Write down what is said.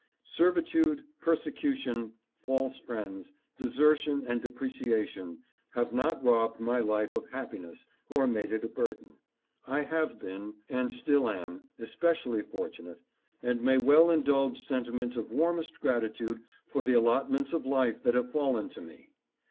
Servitude, per secution, false friends, desertion and depreciation have not robbed my life of happiness or made it a burden. I have been, and still am, especially fortunate, and may well indulge sentiments of warmest gratitude for the allotments of life that have fallen to me.